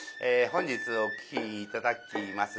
本日お聴き頂きます